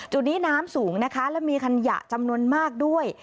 จุดนี้น้ำสูงนะคะและมีขยะจำนวนมากด้วย